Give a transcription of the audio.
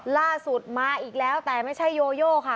ล่าสุดมาอีกแล้วแต่ไม่ใช่โยโยค่ะ